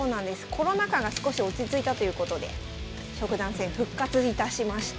コロナ禍が少し落ち着いたということで職団戦復活いたしました。